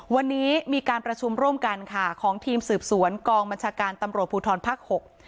วันนี้มีการประชุมร่วมกันค่ะของทีมสืบสวนกองบัญชาการตำรวจภูทรภาคหก